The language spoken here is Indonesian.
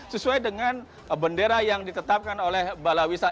sesuai dengan bendera yang ditetapkan oleh balawisata